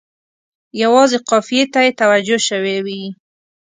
یوازې قافیې ته یې توجه شوې وي.